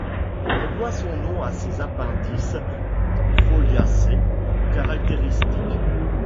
Elle doit son nom à ses appendices foliacés caractéristiques.